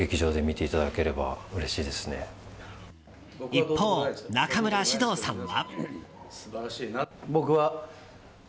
一方、中村獅童さんは。